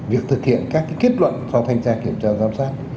việc thực hiện các kết luận so với thanh tra kiểm tra giám sát